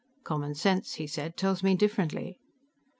"Common sense," he said, "tells me differently."